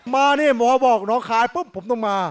มานี่หมอบอกน้องคายปุ๊บผมต้องมา